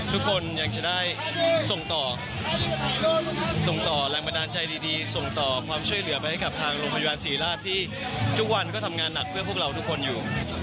ทุกคนอยากจะได้ส่งต่อส่งต่อแรงบันดาลใจดีส่งต่อความช่วยเหลือไปให้กับทางโรงพยาบาลศรีราชที่ทุกวันก็ทำงานหนักเพื่อพวกเราทุกคนอยู่